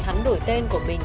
hắn đổi tên của mình